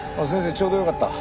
ちょうどよかった。